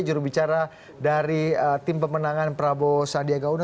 jurubicara dari tim pemenangan prabowo sandiaga uno